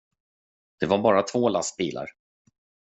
Det var bara två lastbilar.